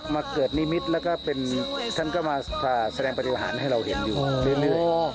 เกิดนิมิตรแล้วก็เป็นท่านก็มาแสดงปฏิหารให้เราเห็นอยู่เรื่อย